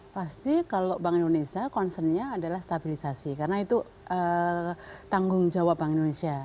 pasti kalau bank indonesia concernnya adalah stabilisasi karena itu tanggung jawab bank indonesia